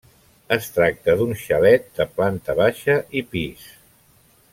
Es tracta d'un xalet de planta baixa i pis.